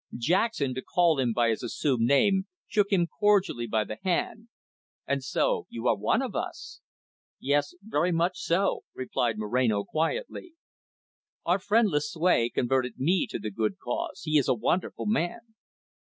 Jackson, to call him by his assumed name, shook him cordially by the hand. "And so, you are one of us?" "Yes, very much so," replied Moreno quietly. "Our friend Lucue converted me to the good cause. He is a wonderful man."